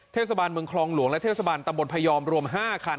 เทศบาลเมืองคลองหลวงและเทศบาลตำบลพยอมรวม๕คัน